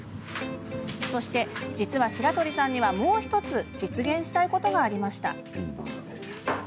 そして、実は白鳥さんにはもう１つ実現したいことがありました。